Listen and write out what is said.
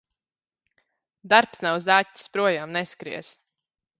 Darbs nav zaķis – projām neskries.